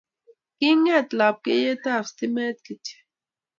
kinget lapkeiyetap stimet kityo